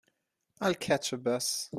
I'll catch a bus.